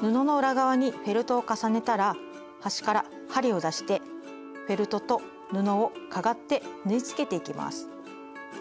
布の裏側にフェルトを重ねたら端から針を出してフェルトと布をかがって縫いつけていきます。